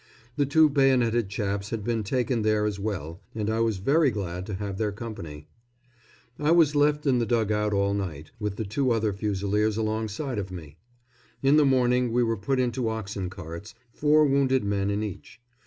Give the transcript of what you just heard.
The two bayoneted chaps had been taken there as well, and I was very glad to have their company. I was left in the dug out all night, with the other two Fusiliers alongside of me. In the morning we were put into oxen carts, four wounded men in each.